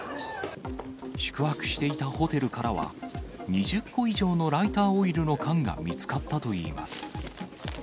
宿泊していたホテルからは、２０個以上のライターオイルの缶が見つかったといいます。